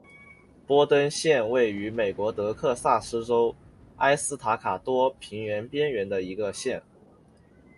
博登县位美国德克萨斯州埃斯塔卡多平原边缘的一个县。